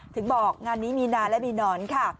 ถึงบอกงานนี้มีนานและมีหนอนค่ะ